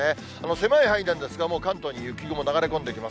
狭い範囲なんですが、もう関東に雪雲、流れ込んできます。